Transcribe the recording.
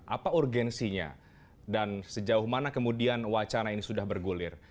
apa urgensinya dan sejauh mana kemudian wacana ini sudah bergulir